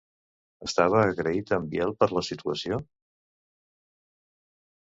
Estava agraït en Biel per la situació?